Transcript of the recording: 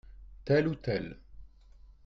Telle ou telle.